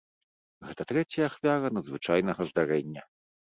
Гэта трэцяя ахвяра надзвычайнага здарэння.